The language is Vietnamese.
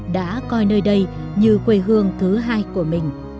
đã coi nơi đây như quê hương thứ hai của mình